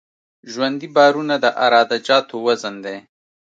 ژوندي بارونه د عراده جاتو وزن دی